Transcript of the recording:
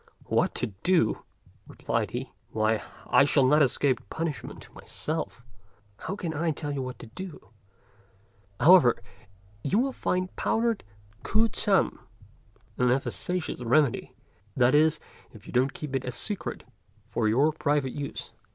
"What to do!" replied he; "why, I shall not escape punishment myself; how can I tell you what to do. However, you will find powdered K'u ts'an an efficacious remedy, that is if you don't keep it a secret for your private use."